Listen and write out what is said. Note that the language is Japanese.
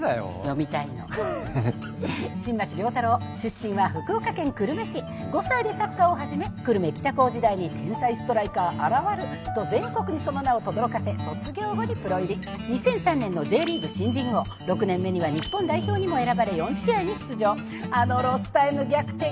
読みたいの新町亮太郎出身は福岡県久留米市５歳でサッカーを始め久留米北高時代に天才ストライカー現ると全国にその名をとどろかせ卒業後にプロ入り２００３年のＪリーグ新人王６年目には日本代表にも選ばれ４試合に出場あのロスタイム逆転